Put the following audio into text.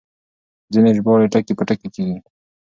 ځينې ژباړې ټکي په ټکي کېږي.